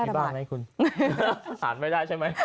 อ่านข่าวที่บ้านไหมคุณอ่านไม่ได้ใช่ไหม